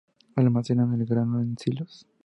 Almacenaban el grano en silos.